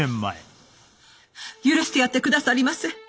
許してやってくださりませ。